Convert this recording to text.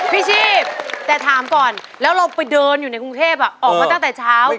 ชีพแต่ถามก่อนแล้วเราไปเดินอยู่ในกรุงเทพออกมาตั้งแต่เช้า